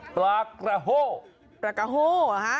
ปลากะโห้เหรอฮะ